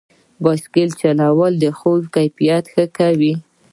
بایسکل چلول د خوب کیفیت ښه کوي.